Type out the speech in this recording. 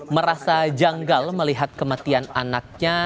merasa janggal melihat kematian anaknya